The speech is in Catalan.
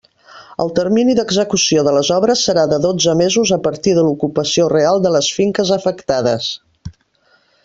El termini d'execució de les obres serà de dotze mesos a partir de l'ocupació real de les finques afectades.